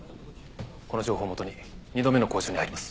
この情報をもとに二度目の交渉に入ります。